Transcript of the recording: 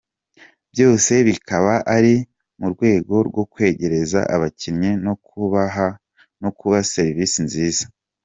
Byose bikaba ari mu rwego rwo kwegera abakiriya no kuba serivisi nziza.